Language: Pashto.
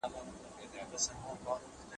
زده کړه د جهالت تيارې ختموي.